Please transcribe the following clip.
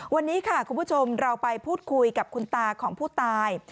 วันนี้ค่ะคุณผู้ชมเราไปพูดคุยกับคุณตาของผู้ตาย